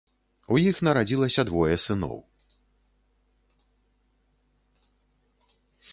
У іх нарадзілася двое сыноў.